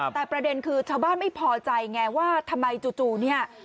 แต่ประเด็นคือชาวบ้านไม่พอใจไงว่าทำไมจู่เนี่ย